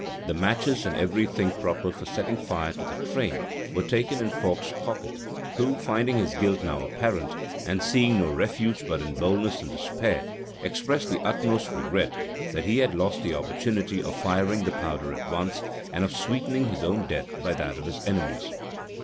The matches, and every thing proper for setting fire to the train, were taken in Fawkes's pocket; who, finding his guilt now apparent, and seeing no refuge but in boldness and despair, expressed the utmost regret that he had lost the opportunity of firing the powder at once, and of sweetening his own death by that of his enemies.